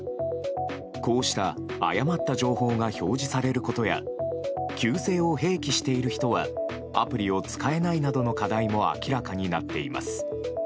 こうした誤った情報が表示されることや旧姓を併記している人はアプリを使えないなどが明らかになっています。